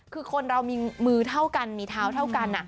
คือคนเรามีมือเท่ากันมีเท้าเท่ากัน